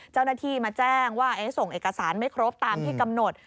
เจ้าหน้าที่มาแจ้งว่าส่งเอกสารไม่ครบตามที่กำหนด